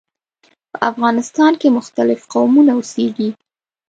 په افغانستان کې مختلف قومونه اوسیږي.